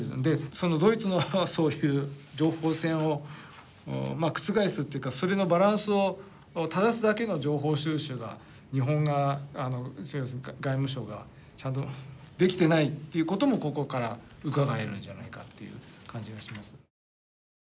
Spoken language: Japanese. そのドイツのそういう情報戦を覆すっていうかそれのバランスを正すだけの情報収集が日本側外務省がちゃんとできてないっていうこともここからうかがえるんじゃないかっていう感じがします。